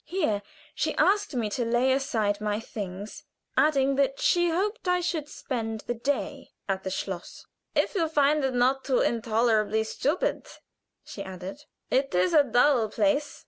Here she asked me to lay aside my things, adding that she hoped I should spend the day at the schloss. "If you find it not too intolerably stupid," she added. "It is a dull place."